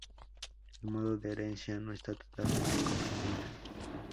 El modo de herencia no está totalmente comprendida.